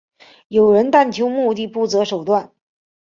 有人但求目的不择手段。